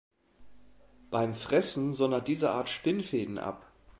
Beim Fressen sondert diese Art Spinnfäden ab.